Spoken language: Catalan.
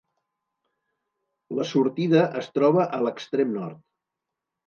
La sortida es troba a l'extrem nord.